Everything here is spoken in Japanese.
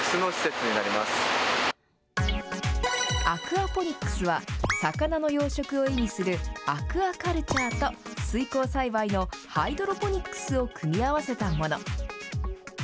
アクアポニックスは、魚の養殖を意味するアクアカルチャーと、水耕栽培のハイドロポニックスを組み合わせたもの。